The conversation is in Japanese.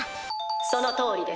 「そのとおりです」。